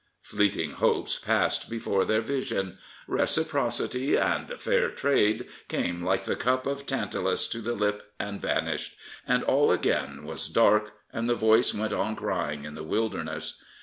Fleeting hopes passed before their vision. " Reciprocity " and " Fair Trade " came like the cup of Tantalus to the lip and vanished, and Prophets, Priests, and Kings all again was dark, and the voice went on crying in the wilderness.